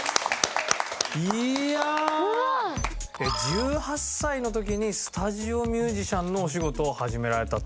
１８歳の時にスタジオミュージシャンのお仕事を始められたと。